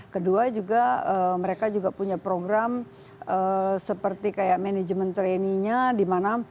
kedua juga mereka punya program seperti management trainingnya